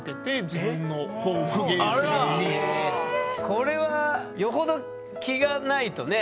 これはよほど気がないとね。